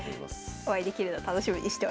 お会いできるの楽しみにしております。